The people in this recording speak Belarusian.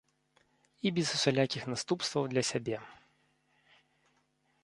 І без усялякіх наступстваў для сябе.